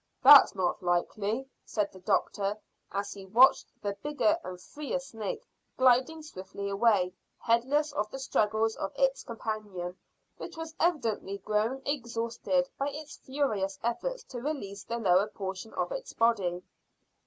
"That's not likely," said the doctor, as he watched the bigger and free snake gliding swiftly away, heedless of the struggles of its companion, which was evidently growing exhausted by its furious efforts to release the lower portion of its body.